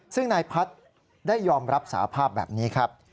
ซึ่งนายพัฒน์ได้ยอมรับสาภาพแบบนี้ครับ